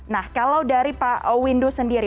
nah kalau dari pak windu sendiri